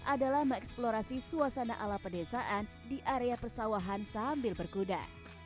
adalah mengeksplorasi suasana ala pedesaan di area persawahan sambil berkuda